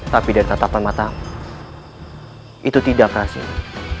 tapi dari tatapan matamu itu tidak prasini